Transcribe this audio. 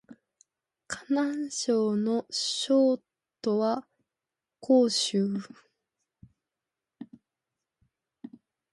河南省の省都は鄭州